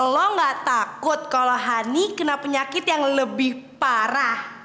lo gak takut kalau honey kena penyakit yang lebih parah